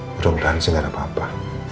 mudah mudahan sih gak ada apa apa